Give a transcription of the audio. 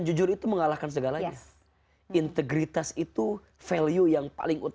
jujur itu mengalahkan segalanya integritas itu make one using halut